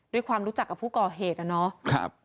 ด้วยความรู้จักกับผู้ก่อเหตุอะเนาะ